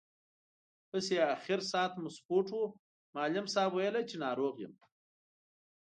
هسې، اخر ساعت مو سپورټ و، معلم صاحب ویل چې ناروغ یم.